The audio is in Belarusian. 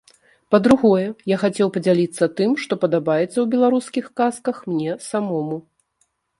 Па-другое, я хацеў падзяліцца тым, што падабаецца ў беларускіх казках мне самому.